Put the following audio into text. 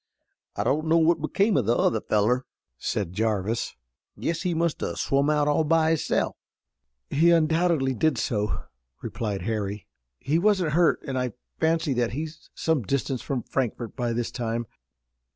"I don't know what became o' the other feller," said Jarvis. "Guess he must have swum out all by hisself." "He undoubtedly did so," replied Harry. "He wasn't hurt, and I fancy that he's some distance from Frankfort by this time.